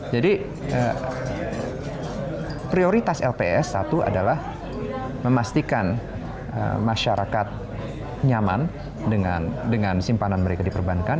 jadi prioritas lps satu adalah memastikan masyarakat nyaman dengan simpanan mereka diperbankan